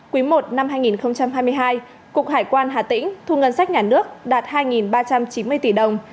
quý i năm hai nghìn hai mươi hai cục hải quan hà tĩnh thu ngân sách nhà nước đạt hai ba trăm chín mươi tỷ đồng